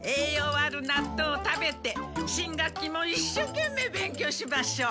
あるなっとうを食べて新学期もいっしょけんめい勉強しましょう。